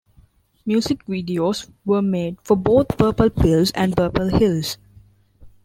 Music videos were made for both "Purple Pills" and "Purple Hills".